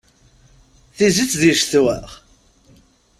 Tizzit di ccetwa!